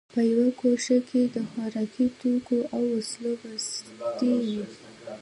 په یوه ګوښه کې د خوراکي توکو او وسلو بستې وې